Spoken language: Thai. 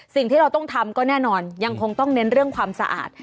สิ่งที่เราต้องทำก็แน่นอนยังคงต้องเน้นเรื่องความสะอาด